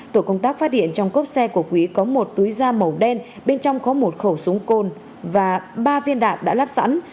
tổ công tác phát hiện trong cốp xe của quý có một túi da màu đen bên trong có một khẩu súng côn và ba viên đạn đã lắp sẵn